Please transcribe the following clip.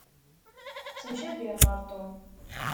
Ttemcabiɣ ɣer Tom.